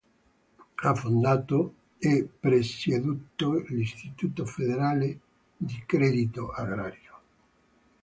Ha fondato e presieduto l'Istituto federale di credito agrario.